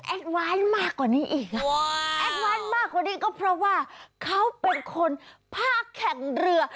แอดไวน์มากกว่านี้ก็เพราะว่าเขาเป็นคนภาคแข่งเรือ